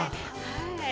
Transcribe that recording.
◆はい。